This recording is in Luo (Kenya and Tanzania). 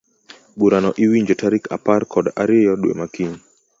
Burano iwinjo tarik apar kod ariyo dwe makiny.